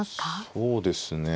そうですね。